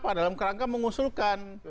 kenapa dalam kerangkapan mengusulkan